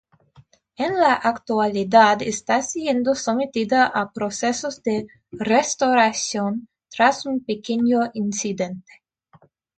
En la actualidad está siendo sometida a procesos de restauración, tras un pequeño incidente.